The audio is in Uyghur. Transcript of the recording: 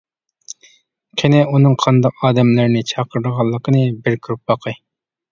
قېنى، ئۇنىڭ قانداق ئادەملەرنى چاقىرىدىغانلىقىنى بىر كۆرۈپ باقاي!